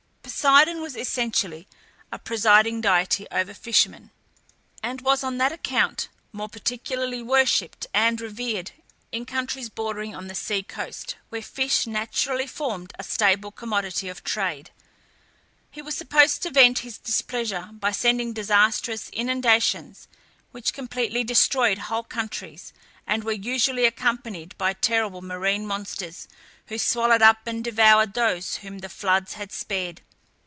Poseidon was essentially the presiding deity over fishermen, and was on that account, more particularly worshipped and revered in countries bordering on the sea coast, where fish naturally formed a staple commodity of trade. He was supposed to vent his displeasure by sending disastrous inundations, which completely destroyed whole countries, and were usually accompanied by terrible marine monsters, who swallowed up and devoured those whom the floods had spared.